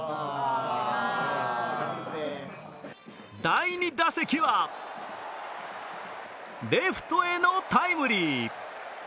第２打席はレフトへのタイムリー。